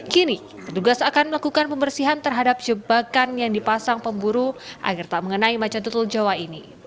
kini petugas akan melakukan pembersihan terhadap jebakan yang dipasang pemburu agar tak mengenai macan tutul jawa ini